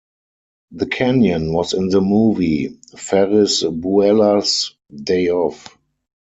The canyon was in the movie "Ferris Bueller's Day Off".